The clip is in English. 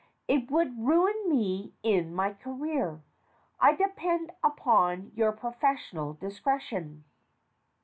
It would ruin me in my career. I depend upon your professional discretion.